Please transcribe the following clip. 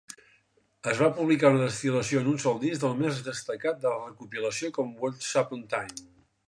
Es va publicar una destil·lació en un sol disc del més destacat de la recopilació com a Wonsuponatime.